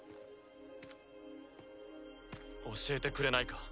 教えてくれないか？